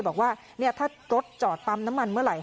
บอกว่าถ้ารถจอดปั๊มน้ำมันเมื่อไหร